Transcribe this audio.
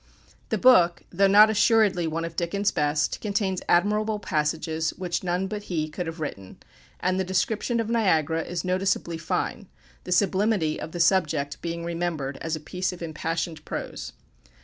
The book, though not assuredly one of Dickens' best, contains admirable passages which none but he could have written, and the description of Niagara is noticeably fine, the sublimity of the subject being remembered, as a piece of impassioned prose.